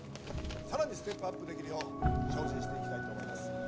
更にステップアップできるよう精進していきたいと思います。